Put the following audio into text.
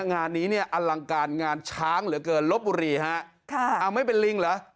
งานนี้เนี่ยอลังการงานช้างเหลือเกินลบบุรีฮะค่ะเอาไม่เป็นลิงเหรอ